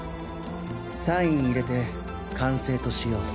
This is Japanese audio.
サイン入れて完成としよう。